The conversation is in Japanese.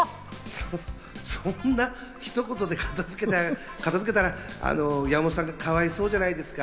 そんなひと言で片付けたら、山本さんがかわいそうじゃないですか。